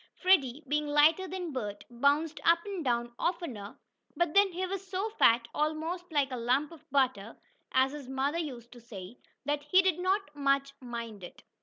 Freddie, being lighter than Bert, bounced up and down oftener, but then he was so fat, almost "like a lump of butter," as his mother used to say, that he did not much mind it.